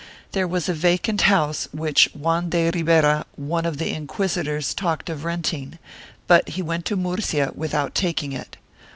There was a vacant house which Juan de Ribera, one of the inquisitors, talked of renting, but he went to Murcia without taking it.